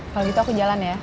kalau gitu aku jalan ya